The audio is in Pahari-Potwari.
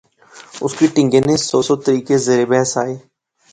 اس کی ٹہنگے نے سو سو طریقے زیر بحث آئے